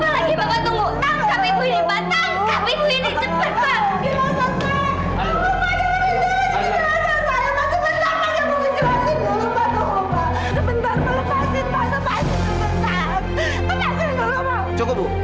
he ini salah bu